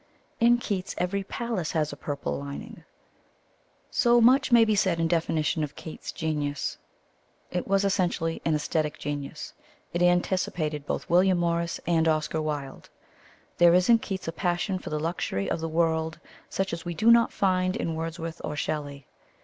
In Keats every palace has a purple lining. So much may be said in definition of Keats's genius. It was essentially an aesthetic genius. It anticipated both William Morris and Oscar Wilde. There is in Keats a passion for the luxury of the world such as we do not find in Wordsworth or Shelley.